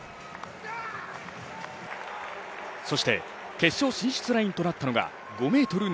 そして、決勝進出ラインとなったのが５ｍ７５。